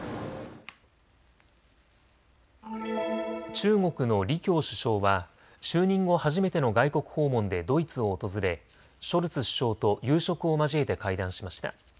中国の李強首相は就任後初めての外国訪問でドイツを訪れショルツ首相と夕食を交えて会談しました。